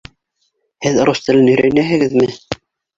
Һеҙ рус телен өйрәнәһегеҙме?